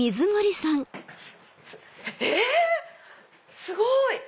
え⁉すごい！